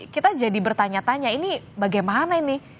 kita jadi bertanya tanya ini bagaimana ini